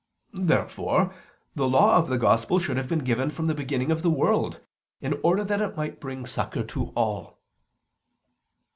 Therefore the Law of the Gospel should have been given from the beginning of the world, in order that it might bring succor to all.